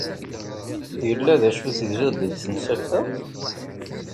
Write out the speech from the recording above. Yella d acu tegziḍ deg tmsalt-a?